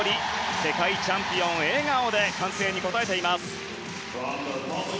世界チャンピオン笑顔で歓声に応えています。